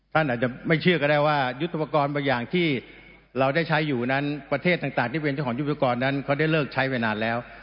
ท่านอาจจะไม่เชื่อก็ได้ว่ายุทธปกรณ์บางอย่างที่เราได้ใช้อยู่นั้นประเทศต่างที่เป็นเจ้าของยุทธกรนั้นเขาได้เลิกใช้ไปนานแล้ว